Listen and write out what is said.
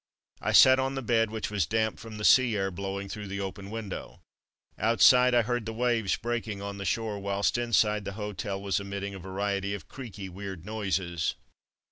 I sat on the bed which was damp from the sea air blowing through the open window. Outside I heard the waves breaking on the shore, whilst in side the hotel was emitting a variety of creaky, weird noises.